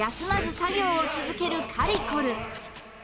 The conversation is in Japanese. まず作業を続けるかりこる